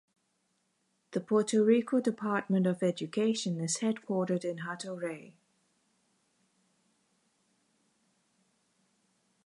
The Puerto Rico Department of Education is headquartered in Hato Rey.